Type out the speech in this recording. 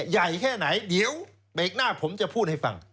ใหญ่แค่ไหนเดี๋ยวเบรกหน้าผมจะพูดให้ฟัง